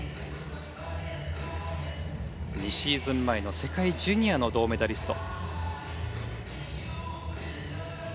２シーズン前の世界ジュニアの銅メダリスト。